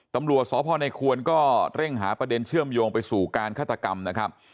ตำรวจสพในควรก็เร่งหาประเด็นเชื่อมโยงไปสู่การฆาตกรรมนะครับ